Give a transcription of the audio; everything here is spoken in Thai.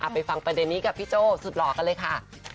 ไปฟังประเด็นนี้กับพี่โจ้สุดหล่อกันเลยค่ะ